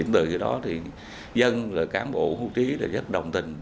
từ đó thì dân cán bộ hữu trí rất đồng tình